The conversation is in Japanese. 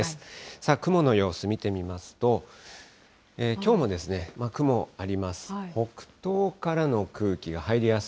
さあ、雲の様子見てみますと、きょうも雲、あります。